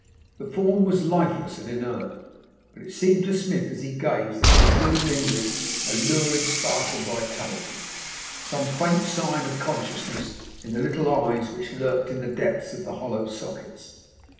The form was lifeless and inert, but it seemed to Smith as he gazed that there still lingered a lurid spark of vitality, some faint sign of consciousness in the little eyes which lurked in the depths of the hollow sockets.